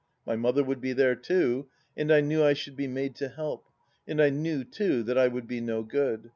My mother would be there, too, and I knew I should be made to help ; and I knew, too, I would be no good.